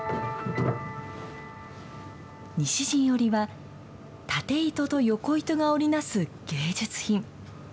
西陣織は縦糸と横糸が織り成す芸術品。